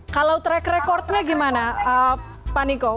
kalau track record nya gimana pak niko